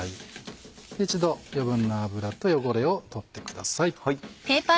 一度余分な油と汚れを取ってください。